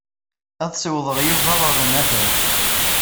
Ad ssiwḍeɣ Yuba ɣer unafag.